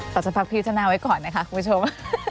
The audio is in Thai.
ผมจะพักผิวชะนาไว้ก่อนนะคะคุณผู้ชม